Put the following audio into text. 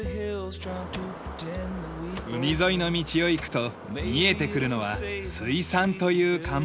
海沿いの道を行くと見えてくるのは「ＳＵＩＳＡＮ」という看板。